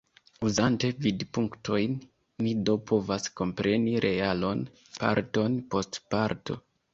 Uzante vidpunktojn, ni do povas kompreni realon parton post parto.